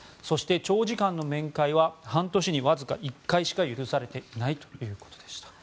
そして、長時間の面会は半年にわずか１回しか許されていないということでした。